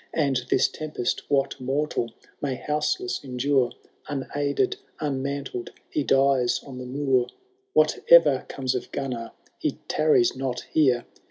And this tempest what mortal may houseless endure ? Unaided, unmantled, he dies on the moor ! Whatever comes of Gunnar, he tarries not here."